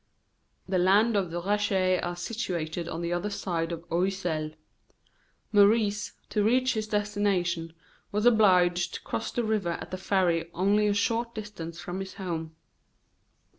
The lands of the Reche are situated on the other side of the Oiselle. Maurice, to reach his destination, was obliged to cross the river at a ferry only a short distance from his home.